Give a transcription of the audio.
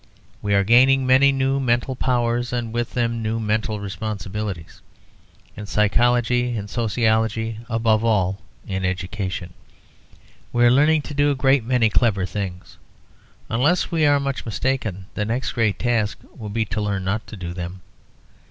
We are gaining many new mental powers, and with them new mental responsibilities. In psychology, in sociology, above all in education, we are learning to do a great many clever things. Unless we are much mistaken the next great task will be to learn not to do them.